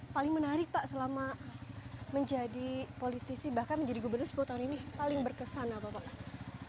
paling menarik pak selama menjadi politisi bahkan menjadi gubernur sepuluh tahun ini paling berkesan apa pak